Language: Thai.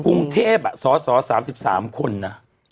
กรุงเทพสอสอ๓๓คน